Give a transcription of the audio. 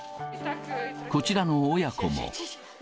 こちらの親子も。